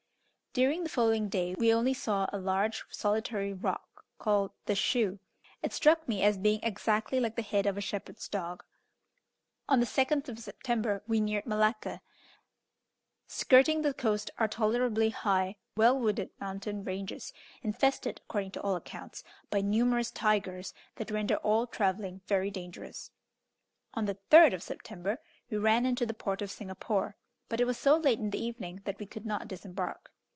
During the following day we only saw a large solitary rock called "The Shoe." It struck me as being exactly like the head of a shepherd's dog. On the 2nd of September we neared Malacca. Skirting the coast are tolerably high, well wooded mountain ranges, infested, according to all accounts, by numerous tigers, that render all travelling very dangerous. On the 3rd of September we ran into the port of Singapore; but it was so late in the evening, that we could not disembark.